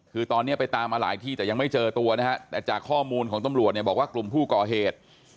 คือตอนนี้ไปตามมาหลายที่แต่ยังไม่เจอตัวนะฮะแต่จากข้อมูลของตำรวจเนี่ยบอกว่ากลุ่มผู้ก่อเหตุ